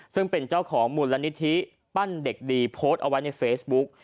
ซึ่งเป็นเจ้าของมูลนิธิปั้นเด็กดีโพสต์เอาไว้ในเฟซบุ๊ก